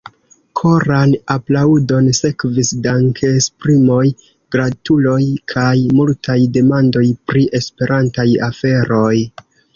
Koran aplaŭdon sekvis dankesprimoj, gratuloj kaj multaj demandoj pri Esperantaj aferoj.